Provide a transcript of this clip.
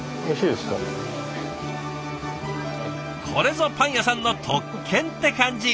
これぞパン屋さんの特権って感じ！